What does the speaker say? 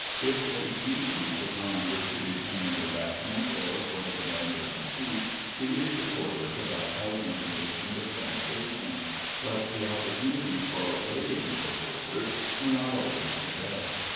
It was easy for congress to determine the rations or for the commander in chief to issue orders about housing conditions and sanitation, but the opportunities for obeying those orders were not always the best.